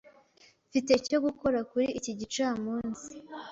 Mfite icyo gukora kuri iki gicamunsi.